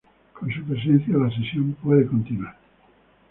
Con su presencia, la sesión puede continuar.